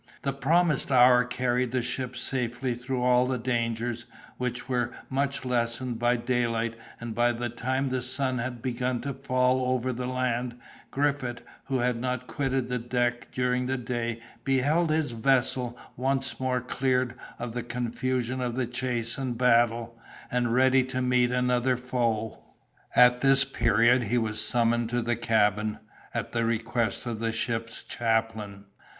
The promised hour carried the ship safely through all the dangers, which were much lessened by daylight; and by the time the sun had begun to fall over the land, Griffith, who had not quitted the deck during the day, beheld his vessel once more cleared of the confusion of the chase and battle, and ready to meet another foe. At this period he was summoned to the cabin, at the request of the ship's chaplain.